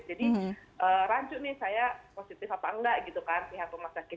jadi rancu nih saya positif apa enggak gitu kan pihak rumah sakit